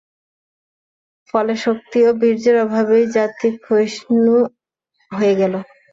ফলে শক্তি ও বীর্যের অভাবেই জাতি ক্ষয়িষ্ণু হয়ে গেল।